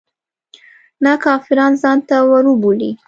نه کافران ځانته وربولي.